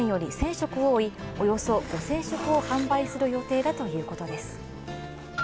食多いおよそ５０００食を販売する予定だということです。